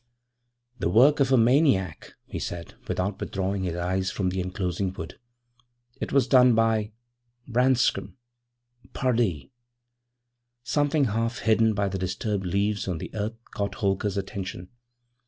'The work of a maniac,' he said, without withdrawing his eyes from the enclosing wood. 'It was done by Branscom Pardee.' Something half hidden by the disturbed leaves on the earth caught Holker's attention.